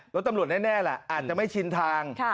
รถตำรวจแน่แหละอาจจะไม่ชินทาง